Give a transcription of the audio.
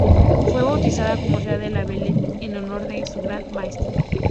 Fue bautizada como "Ciudad de La Valette", en honor de su Gran Maestre.